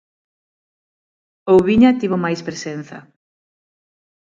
Oubiña tivo máis presenza.